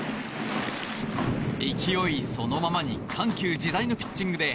勢いそのままに緩急自在のピッチングで